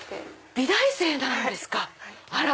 美大生なんですか。